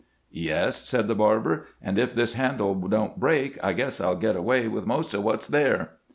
' Yes,' said the barber ;' and if this handle don't break, I guess I 'U get away with most of what 'S there.'